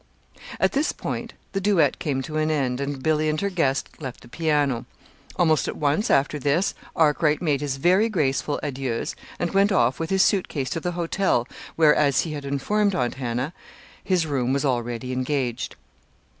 At this point the duet came to an end, and Billy and her guest left the piano. Almost at once, after this, Arkwright made his very graceful adieus, and went off with his suit case to the hotel where, as he had informed Aunt Hannah, his room was already engaged.